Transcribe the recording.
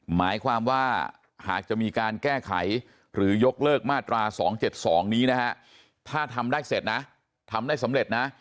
หมายความว่าหากจะมีการแก้ไขหรือยกเลิกมาตรา๒๗๒นี้นะฮะถ้าทำได้เสร็จนะทำได้สำเร็จนะ